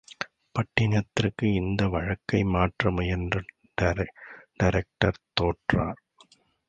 பட்டணத்துக்கு இந்த வழக்கை மாற்ற முயன்ற டைரக்டர் தோற்றார்.